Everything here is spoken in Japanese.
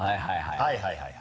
はいはい。